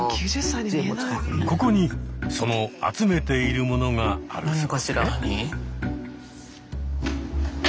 ここにその集めているものがあるそうで。